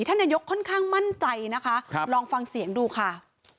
ท่านนายกค่อนข้างมั่นใจนะคะลองฟังเสียงดูค่ะ